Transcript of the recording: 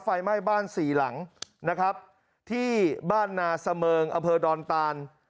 ไฟไหม้บ้านสี่หลังนะครับที่บ้านนาเสมิงอำเภอดอนตาน